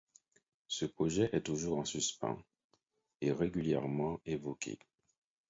Ce projet est toujours en suspens et régulièrement évoqué.